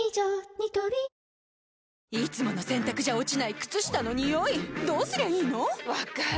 ニトリいつもの洗たくじゃ落ちない靴下のニオイどうすりゃいいの⁉分かる。